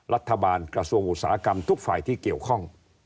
กระทรวงอุตสาหกรรมทุกฝ่ายที่เกี่ยวข้อง